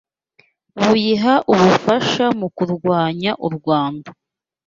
buyiha ubufasha mu kurwanya u Rwanda